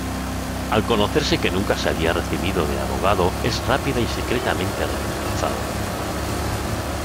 Al conocerse que nunca se había recibido de abogado es rápida y secretamente reemplazado.